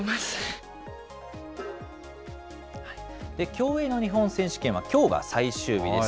競泳の日本選手権はきょうが最終日です。